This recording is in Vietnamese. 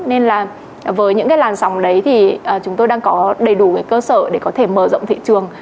nên là với những cái làn sóng đấy thì chúng tôi đang có đầy đủ cái cơ sở để có thể mở rộng thị trường